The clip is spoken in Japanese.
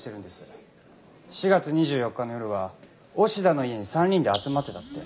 ４月２４日の夜は押田の家に３人で集まってたって。